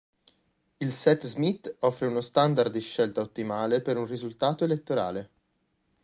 Il set Smith offre uno standard di scelta ottimale per un risultato elettorale.